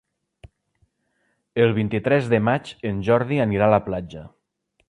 El vint-i-tres de maig en Jordi anirà a la platja.